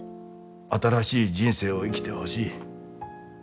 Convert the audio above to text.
新しい人生を生きてほしい。